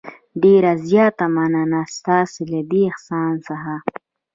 ډېره زیاته مننه ستاسې له دې احسان څخه.